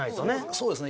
そうですね。